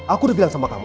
aku udah bilang sama kamu